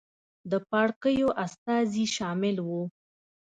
د پاړکیو استازي شامل وو.